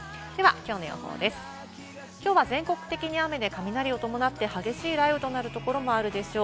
きょうは全国的に雨で、雷を伴って激しい雷雨となるところもあるでしょう。